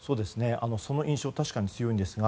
その印象は確かに強いですが。